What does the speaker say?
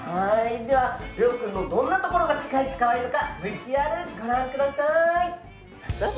では、レオ君のどんなところが世界一可愛いのかＶＴＲをご覧ください。